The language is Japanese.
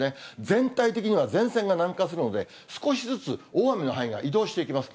全体的には前線が南下するので、少しずつ大雨の範囲が移動していきます。